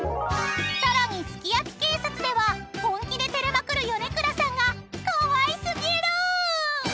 ［さらに好きアピ警察では本気で照れまくる米倉さんがかわい過ぎる！］